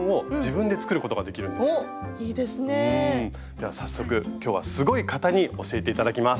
では早速今日はすごい方に教えて頂きます。